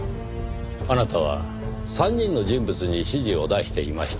あなたは３人の人物に指示を出していました。